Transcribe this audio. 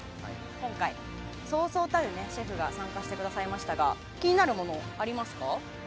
今回、そうそうたるシェフが参加してくださいましたが気になるもの、ありますか？